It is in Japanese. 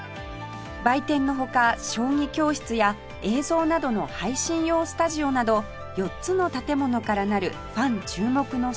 売店の他将棋教室や映像などの配信用スタジオなど４つの建物から成るファン注目の新施設です